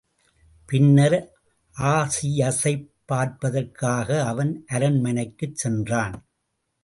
பின்னர் ஆஜியஸைப் பார்ப்பதற்காக அவன் அரண்மனைக்குச் சென்றான்.